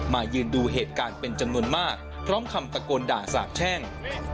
ยืนดูเหตุการณ์เป็นจำนวนมากพร้อมคำตะโกนด่าสาบแช่ง